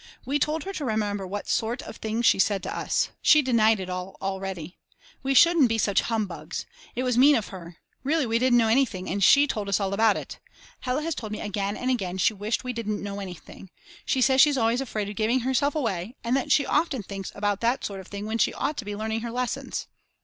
We told her to remember what sort of things she had said to us. She denied it all already. We shouldn't be such humbugs. It was mean of her. Really we didn't know anything and she told us all about it. Hella has told me again and again she wished we didn't know anything. She says she's always afraid of giving herself away and that she often thinks about that sort of thing when she ought to be learning her lessons.